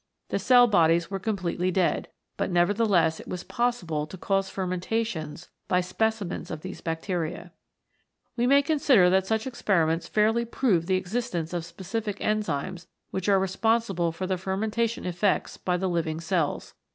The cell bodies were com pletely dead, but nevertheless it was possible to cause fermentations by specimens of these bacteria. We may consider that such experiments fairly prove the existence of specific enzymes which are responsible for the fermentation effects by the living cells.